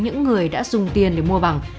những người đã dùng tiền để mua bằng